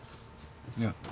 いや。